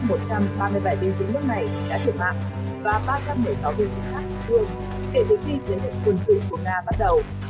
ít nhất một trăm ba mươi bảy binh sĩ nước này đã thiệt mạng và ba trăm một mươi sáu binh sĩ khác đột nguồn kể từ khi chiến dịch quân sự của nga bắt đầu